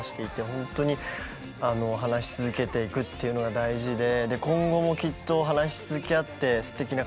ほんとに話し続けていくっていうのが大事でねえ。